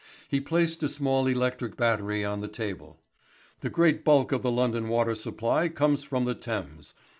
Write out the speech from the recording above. He placed a small electric battery on the table. "The great bulk of the London water supply comes from the Thames.